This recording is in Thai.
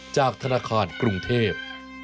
จากธนาคารกรุงเทพ